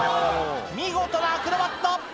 見事なアクロバット